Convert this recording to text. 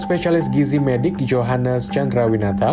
spesialis gizi medik johannes chandrawinata